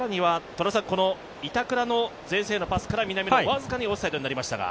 板倉の前線へのパスは僅かにオフサイドになりましたが？